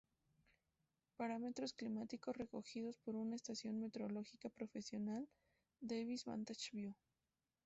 Parámetros climáticos recogidos por una Estación Meteorológica Profesional "Davis Vantage Vue".